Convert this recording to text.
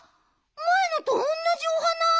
まえのとおんなじお花！